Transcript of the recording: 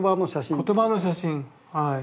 言葉の写真はい。